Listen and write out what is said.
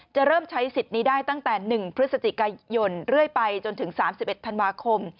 เริ่มใช้สิทธิ์นี้ได้ตั้งแต่๑พฤศจิกายนเรื่อยไปจนถึง๓๑ธันวาคม